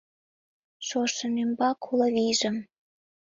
Шошын ÿмбак уло вийжым.